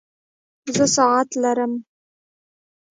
زه ساعت لرم